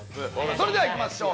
それではいきましょう。